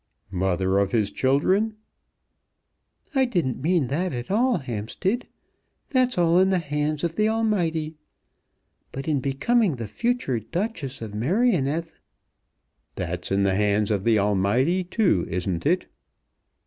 "Mother of his children?" "I didn't mean that at all, Hampstead. That's all in the hands of the Almighty. But in becoming the future Duchess of Merioneth " "That's in the hands of the Almighty, too, isn't it?"